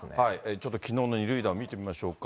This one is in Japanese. ちょっときのうの２塁打を見てみましょうか。